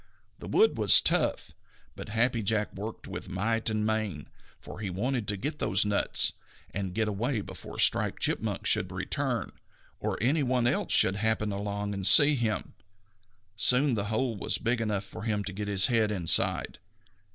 The wood was tough, but Happy Jack worked with might and main, for he wanted to get those nuts and get away before Striped Chipmunk should return, or any one else should happen along and see him. Soon the hole was big enough for him to get his head inside.